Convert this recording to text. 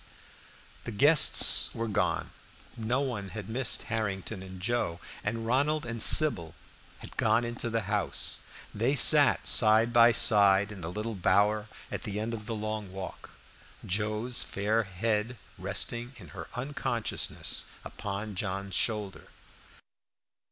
The guests were gone, no one had missed Harrington and Joe, and Ronald and Sybil had gone into the house. They sat side by side in the little bower at the end of the long walk Joe's fair head resting in her unconsciousness upon John's shoulder.